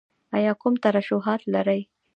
ایا کوم ترشحات لرئ؟